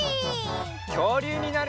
きょうりゅうになるよ！